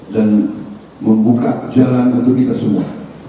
dan membuka jalan untuk kita semua